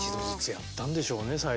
やったんでしょうね。